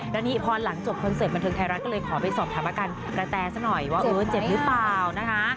แล้วนี่พอหลังจบคอนเสิร์ตบันเทิงไทยรัฐก็เลยขอไปสอบถามอาการกระแตซะหน่อยว่าเออเจ็บหรือเปล่านะคะ